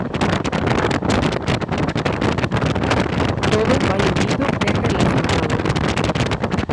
Todo vai unido e relacionado.